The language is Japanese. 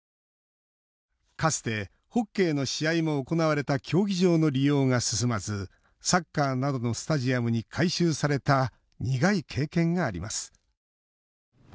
かつてホッケーの試合も行われた競技場の利用が進まずサッカーなどのスタジアムに改修された苦い経験があります。